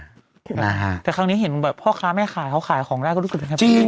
ถึงนาฮะแต่ครั้งนี้เห็นแบบพ่อค้าแม่ขายเขาขายของได้เขาก็จึง